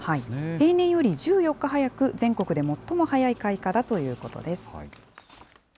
平年より１４日早く、全国で最も早い開花だということです。